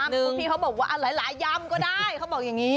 คุณพี่เขาบอกว่าหลายยำก็ได้